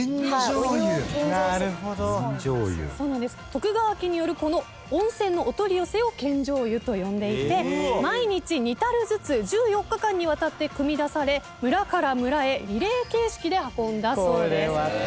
徳川家によるこの温泉のお取り寄せを献上湯と呼んでいて毎日２たるずつ１４日間にわたってくみ出され村から村へリレー形式で運んだそうです。